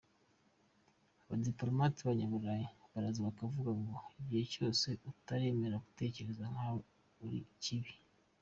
Abadipolomate b’abanyaburayi baraza bakavuga ngo: igihe cyose utaremera gutekereza nkatwe, uri ikibi.